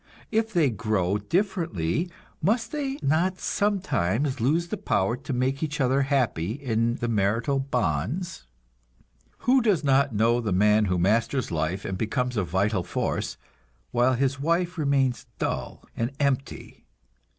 If they grow differently, must they not sometimes lose the power to make each other happy in the marital bonds? Who does not know the man who masters life and becomes a vital force, while his wife remains dull and empty?